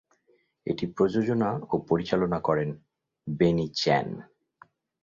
এটি প্রযোজনা ও পরিচালনা করেন বেনি চ্যান।